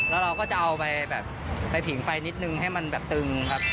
แล้วเราก็จะเอาไปแบบไปผิงไฟนิดนึงให้มันแบบตึงครับ